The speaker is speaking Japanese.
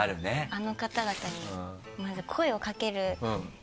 あの方々にまず。